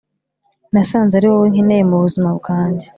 Nasanze ariwowe nkeneye mubuzima bwanjye